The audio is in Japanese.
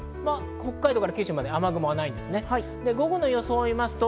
北海道から九州まで雨雲はないんです。